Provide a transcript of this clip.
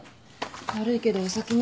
悪いけどお先に。